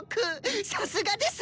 さすがです